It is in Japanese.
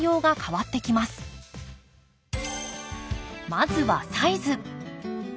まずはサイズ。